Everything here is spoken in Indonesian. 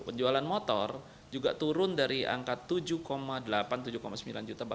penjualan motor juga turun dari angka tujuh delapan tujuh sembilan juta